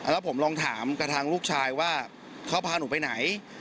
แล้วผมลองถามกับทางลูกชายว่าเขาพาหนูไปไหน